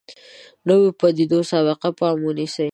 نویو پدیدو سابقه پام ونیسو.